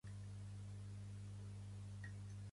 Els hematopòdids.